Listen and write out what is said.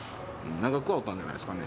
長くはおったんじゃないでしょうかね。